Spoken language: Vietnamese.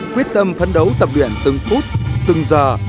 quyết tâm phấn đấu tập luyện từng phút từng giờ